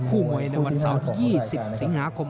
มวยในวันเสาร์ที่๒๐สิงหาคม